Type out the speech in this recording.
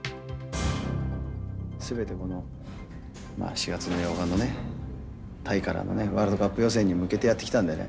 全てこの４月８日のねタイからのワールドカップ予選に向けてやってきたんでね。